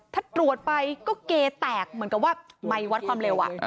ถ้าตรวจไปก็เกแตกเหมือนกับว่าไมค์วัดความเร็ว